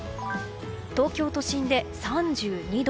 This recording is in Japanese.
東京都心で３２度。